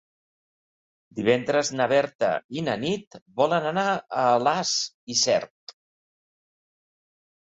Divendres na Berta i na Nit volen anar a Alàs i Cerc.